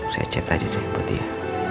saya chat aja deh buat dia